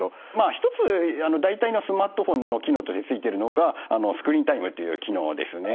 一つ大体のスマートフォンの機能としてついているのがスクリーンタイムっていう機能ですね。